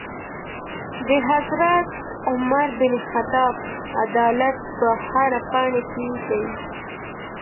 د حضرت عمر بن خطاب عدالت په هره پاڼې کي دی.